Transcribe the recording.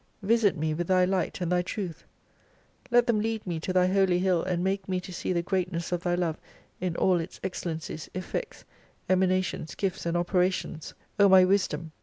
Visit me with Thy light and Thy truth ; let them lead me to Thy Holy Hill and make me to see the greatness of Thy love in all its excellen cies, effects, emanations, gifts and operations ; O my Wisdom